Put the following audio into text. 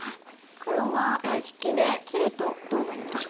黒は引きで切るとどうなりますか？